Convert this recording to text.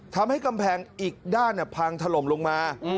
ทำให้กำแพงอีกด้านพังถล่มลงมา